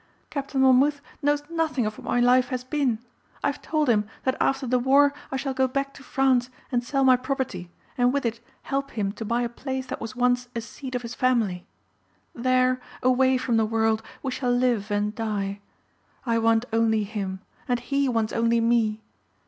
Captain Monmouth knows nothing of what my life has been. I have told him that after the war I shall go back to France and sell my property and with it help him to buy a place that was once a seat of his family. There, away from the world, we shall live and die. I want only him and he wants only me.